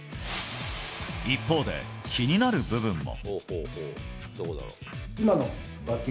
一方で気になる部分も。